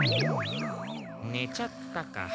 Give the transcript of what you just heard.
ねちゃったか。